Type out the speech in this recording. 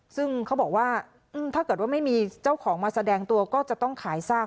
ซึ่งเขาบอกว่าถ้าเกิดว่าไม่มีเจ้าของมาแสดงตัวก็จะต้องขายซาก